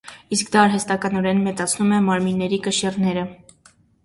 Իսկ դա արհեստականորեն մեծացնում է մարմինների կշիռները։